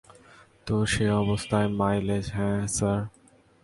তো সেই অবস্থায় মাইলেজ হ্যাঁ, স্যার?